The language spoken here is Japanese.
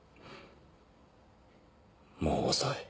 もう遅い。